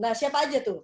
nah siapa aja tuh